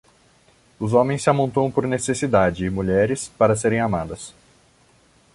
Os homens se amontoam por necessidade e mulheres, para serem amadas.